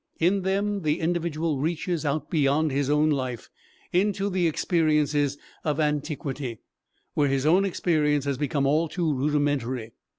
In them the individual reaches out beyond his own life, into the experiences of antiquity, where his own experience has become all too rudimentary.